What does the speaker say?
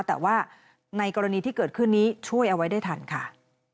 แต่ว่าในกรณีที่เกิดขึ้นนี้ช่วยเอาไว้ได้ทันค่ะ